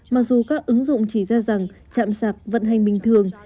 mặc dù các ứng dụng chỉ ra rằng chạm sạc vận hành bình thường